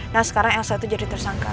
nah sekarang elsa itu jadi tersangka